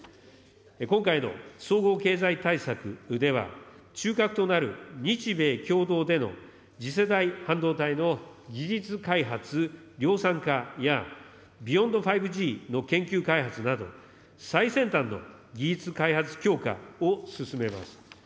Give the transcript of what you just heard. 今回の総合経済対策では、中核となる日米共同での次世代半導体の技術開発・量産化や、Ｂｅｙｏｎｄ５Ｇの研究開発など、最先端の技術開発強化を進めます。